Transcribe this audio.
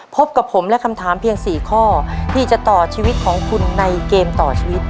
พบกับผมและคำถามเพียง๔ข้อที่จะต่อชีวิตของคุณในเกมต่อชีวิต